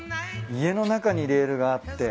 家の中にレールがあって。